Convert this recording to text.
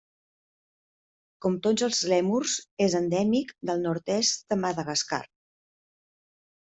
Com tots els lèmurs, és endèmic del nord-est de Madagascar.